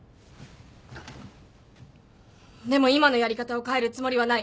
でも今のやり方を変えるつもりはない。